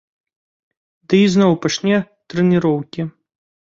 Ды ізноў пачне трэніроўкі.